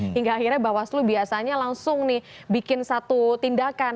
hingga akhirnya bawaslu biasanya langsung nih bikin satu tindakan